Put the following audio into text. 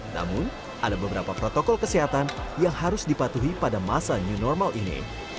namun ada beberapa protokol kesehatan yang harus dipatuhi pada masa new normal ini